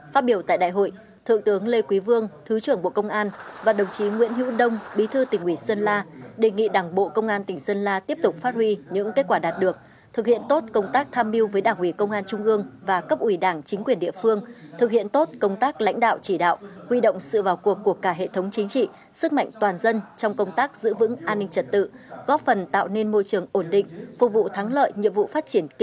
phát biểu tại đại hội thượng tướng lê quý vương thứ trưởng bộ công an và đồng chí nguyễn hữu đông bí thư tỉnh ủy sơn la đề nghị đảng bộ công an tỉnh sơn la tiếp tục phát huy những kết quả đạt được thực hiện tốt công tác tham mưu với đảng ủy công an trung ương và cấp ủy đảng chính quyền địa phương thực hiện tốt công tác lãnh đạo chỉ đạo huy động sự vào cuộc của cả hệ thống chính trị sức mạnh toàn dân trong công tác giữ vững an ninh trật tự góp phần tạo nên môi trường ổn định phục vụ thắng lợi nhiệm vụ ph